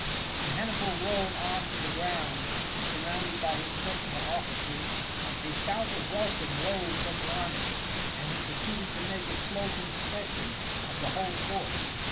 When Hannibal rode on to the ground, surrounded by his principal officers, a shout of welcome rose from the army; and he proceeded to make a close inspection of the whole force.